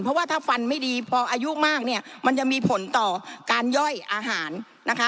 เพราะว่าถ้าฟันไม่ดีพออายุมากเนี่ยมันจะมีผลต่อการย่อยอาหารนะคะ